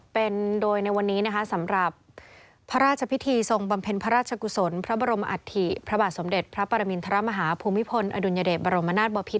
เป็นโดยในวันนี้นะคะสำหรับพระราชพิธีทรงบำเพ็ญพระราชกุศลพระบรมอัฐิพระบาทสมเด็จพระปรมินทรมาฮาภูมิพลอดุลยเดชบรมนาศบพิษ